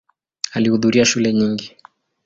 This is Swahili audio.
Alihudhuria shule nyingi.